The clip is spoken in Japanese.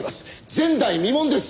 前代未聞です！